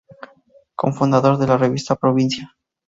Cofundador de la revista Provincia.